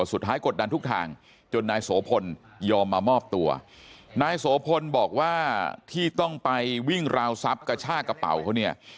กดดันทุกทางจนนายโสพลยอมมามอบตัวนายโสพลบอกว่าที่ต้องไปวิ่งราวทรัพย์กระชากกระเป๋าเขาเนี่ย